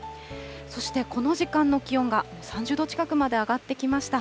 そして、この時間の気温が３０度近くまで上がってきました。